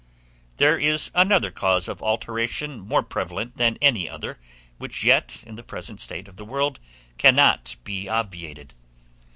There is another cause of alteration more prevalent than any other, which yet in the present state of the world cannot be obviated.